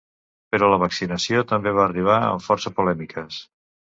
Però la vaccinació també va arribar amb força polèmiques.